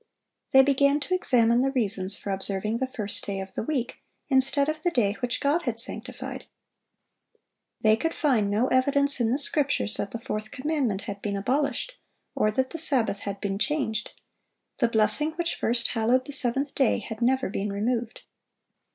They began to examine the reasons for observing the first day of the week instead of the day which God had sanctified. They could find no evidence in the Scriptures that the fourth commandment had been abolished, or that the Sabbath had been changed; the blessing which first hallowed the seventh day had never been removed.